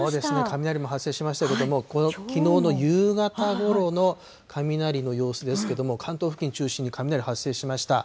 雷も発生しましたけれども、きのうの夕方ごろの雷の様子ですけれども、関東付近を中心に雷発生しました。